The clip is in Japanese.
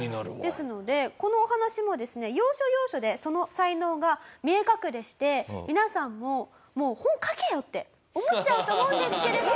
ですのでこのお話もですね要所要所でその才能が見え隠れして皆さんも「もう本書けよ」って思っちゃうと思うんですけれども。